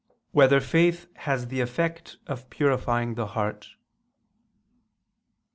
2] Whether Faith Has the Effect of Purifying the Heart?